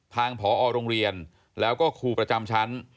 ผอโรงเรียนแล้วก็ครูประจำชั้น